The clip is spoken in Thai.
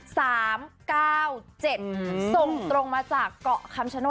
ส่งตรงมาจากเกาะคำชโนธ